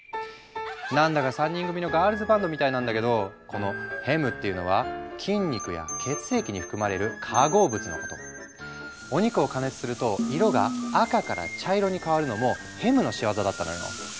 何だか３人組のガールズバンドみたいなんだけどこのヘムっていうのはお肉を加熱すると色が赤から茶色に変わるのもヘムの仕業だったのよ。